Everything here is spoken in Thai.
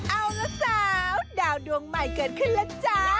เอาละสาวดาวดวงใหม่เกิดขึ้นแล้วจ๊ะ